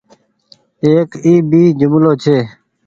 ايڪ اي ڀي جملو ڇي